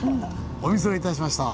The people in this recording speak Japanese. お見それいたしました。